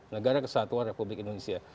negara kesatuan republik indonesia